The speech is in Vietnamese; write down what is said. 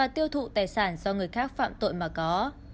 tiêu thụ tài sản do người khác phạm tội mà có